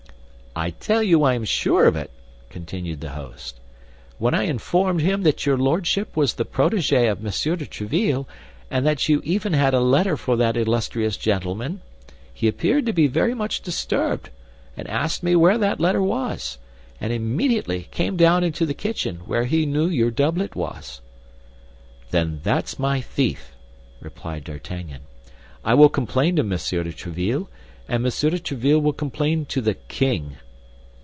"I tell you I am sure of it," continued the host. "When I informed him that your lordship was the protégé of Monsieur de Tréville, and that you even had a letter for that illustrious gentleman, he appeared to be very much disturbed, and asked me where that letter was, and immediately came down into the kitchen, where he knew your doublet was." "Then that's my thief," replied D'Artagnan. "I will complain to Monsieur de Tréville, and Monsieur de Tréville will complain to the king."